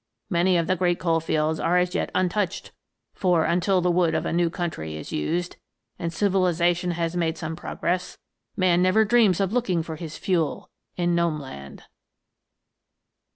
Many of the great coal fields are as yet untouched, for until the wood of a new country is used, and civi lization has made some progress, man never dreams of looking for his fuel in Gnome land."